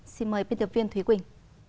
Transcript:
xin mời biên tập viên thúy quỳnh